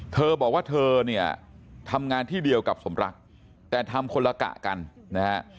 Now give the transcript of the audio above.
เธอบอกว่าเธอเนี่ยทำงานที่เดียวกับสมรักแต่ทำคนละกะกันนะฮะ